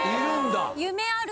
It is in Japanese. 夢ある！